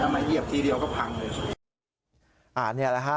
มาเหยียบทีเดียวก็พังเลยอ่าเนี่ยแหละฮะ